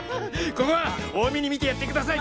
ここは大目に見てやって下さい！